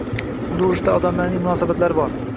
Unda urushga odamlarning munosabatlari bor.